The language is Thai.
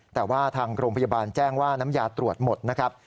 แต่ว่าทางโรงพยาบาลแจ้งว่าน้ำยาตรวจหมดนะครับ